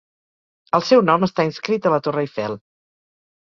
El seu nom està inscrit a la torre Eiffel.